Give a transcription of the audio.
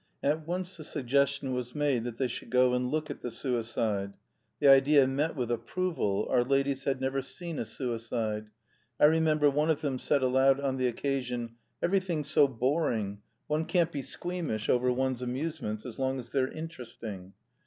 At once the suggestion was made that they should go and look at the suicide. The idea met with approval: our ladies had never seen a suicide. I remember one of them said aloud on the occasion, "Everything's so boring, one can't be squeamish over one's amusements, as long as they're interesting."